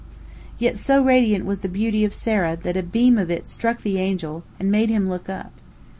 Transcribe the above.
Yet, so radiant was the beauty of Sarah that a beam of it struck the angel, and made him look up.